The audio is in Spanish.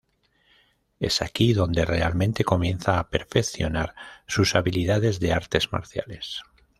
Es aquí donde realmente comienza a perfeccionar sus habilidades de artes marciales.